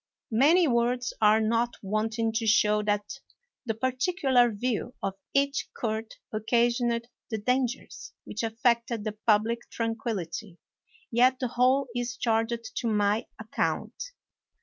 Many words are not wanting to show that the particular view of each court occasioned the dangers which affected the public tranquil lity; yet the whole is charged to my account.